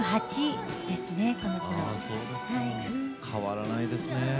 変わらないですね。